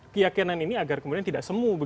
keyakinan ini agar kemudian tidak semu